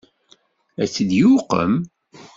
Ad tt-id-yuqem?